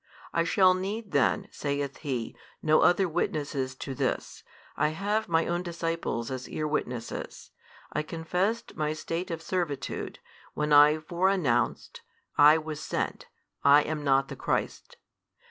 I shall need then, saith he, no other witnesses to this, I have my own disciples as ear witnesses, I confessed my state of servitude, when I fore announced, I was sent, I am not the Christ.